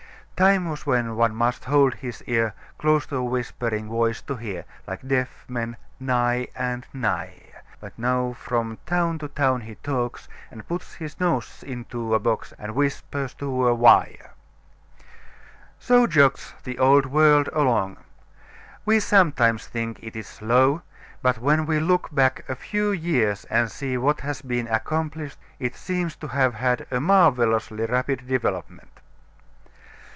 "Time was when one must hold his ear Close to a whispering voice to hear, Like deaf men nigh and nigher; But now from town to town he talks And puts his nose into a box And whispers through a wire." So jogs the old world along. We sometimes think it is slow, but when we look back a few years and see what has been accomplished it seems to have had a marvelously rapid development.